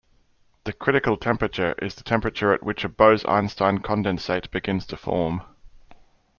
The critical temperature is the temperature at which a Bose-Einstein condensate begins to form.